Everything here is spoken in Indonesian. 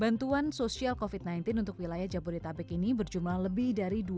bantuan sosial covid sembilan belas untuk wilayah jabodetabek ini berjumlah lebih dari